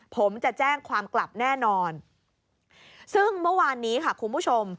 ผมจะแจ้งความกลับแน่นอนซึ่งเมื่อวานนี้ค่ะคุณผู้ชม